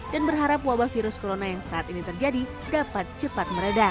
dan berharap wabah virus corona yang saat ini terjadi dapat cepat meredah